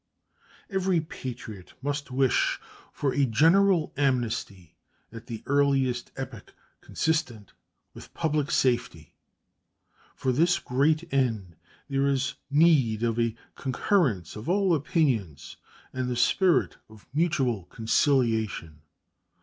Every patriot must wish for a general amnesty at the earliest epoch consistent with public safety. For this great end there is need of a concurrence of all opinions and the spirit of mutual conciliation.